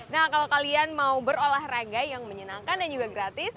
nah kalau kalian mau berolahraga yang menyenangkan dan juga gratis